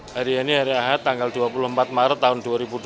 hari ini hari ahad tanggal dua puluh empat maret tahun dua ribu dua puluh